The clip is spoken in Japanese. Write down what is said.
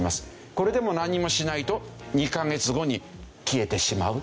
これでもなんにもしないと２カ月後に消えてしまう。